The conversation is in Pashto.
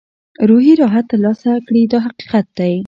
روحي راحت ترلاسه کړي دا حقیقت دی.